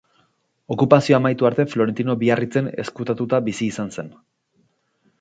Okupazioa amaitu arte Florentino Biarritzen ezkutatuta bizi izan zen.